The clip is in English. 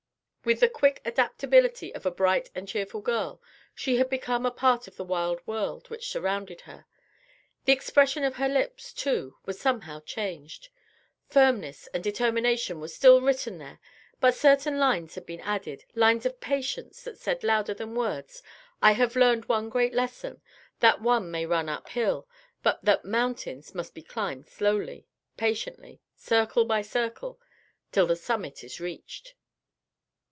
With the quick adaptability of a bright and cheerful girl, she had become a part of the wild world which surrounded her. The expression of her lips, too, was somehow changed. Firmness and determination were still written there, but certain lines had been added; lines of patience that said louder than words: "I have learned one great lesson; that one may run uphill, but that mountains must be climbed slowly, patiently, circle by circle, till the summit is reached."